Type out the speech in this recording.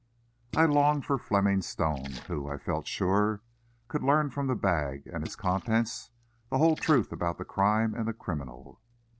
I longed for Fleming Stone, who, I felt sure, could learn from the bag and its contents the whole truth about the crime and the criminal.